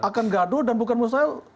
akan gaduh dan bukan mustahil